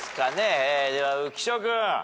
では浮所君。